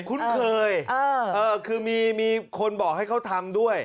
คุ้นเคยคือมีคนบอกให้เขาทำด้วย